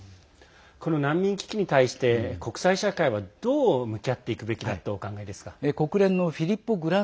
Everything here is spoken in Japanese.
この難民危機に対して国際社会はどう向き合っていくべきだとお考えですか。